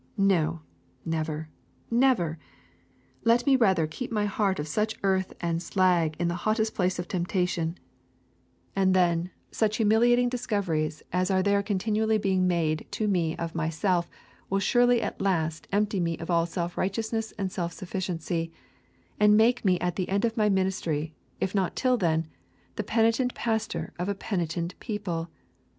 No! Never! Never! Let me rather keep my heart of such earth and slag in the hottest place of temptation, and then, such humiliating discoveries as are there continually being made to me of myself will surely at last empty me of all self righteousness and self sufficiency, and make me at the end of my ministry, if not till then, the penitent pastor of a penitent people.